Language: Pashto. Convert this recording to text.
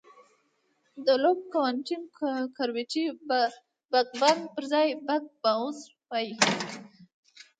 د لوپ کوانټم ګرویټي بګ بنګ پر ځای بګ باؤنس وایي.